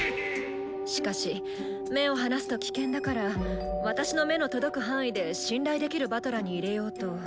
しかし目を離すと危険だから私の目の届く範囲で信頼できる師団に入れようと。